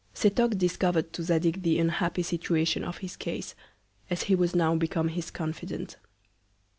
Setoc discover'd to Zadig the unhappy Situation of his Case, as he was now become his Confident.